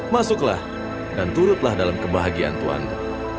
masuklah dan turutlah dalam kebahagiaan tuhanmu